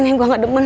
gue nggak demen